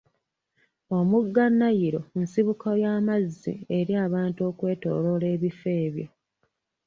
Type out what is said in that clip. Omugga Nile nsibuko y'amazzi eri abantu okwetooloola ebifo ebyo.